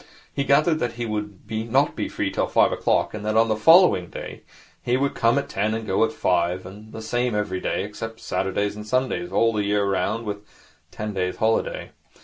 He gathered that he would not be free till five o'clock, and that on the following day he would come at ten and go at five, and the same every day, except Saturdays and Sundays, all the year round, with a ten days' holiday.